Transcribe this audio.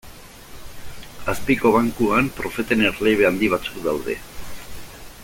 Azpiko bankuan, profeten erliebe handi batzuk daude.